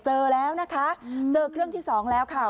เจอแล้วนะคะเจอเครื่องที่สองแล้วค่ะ